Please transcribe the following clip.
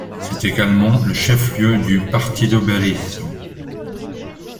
C'est également le chef-lieu du Partido Berisso.